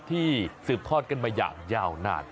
สืบทอดกันมาอย่างยาวนาน